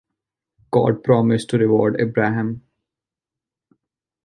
God promised to reward Abraham.